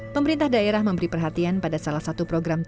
pemerintah daerah memberi perhatian pada salah satu program